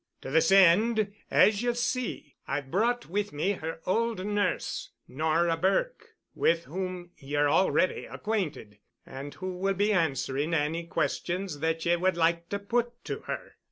To this end, as ye'll see, I've brought with me her old nurse, Nora Burke, with whom ye're already acquainted, and who will be answering any questions that ye would like to put to her."